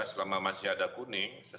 selama masih ada kuning